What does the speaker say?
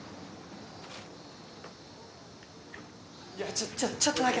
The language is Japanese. いやちょちょちょっとだけ。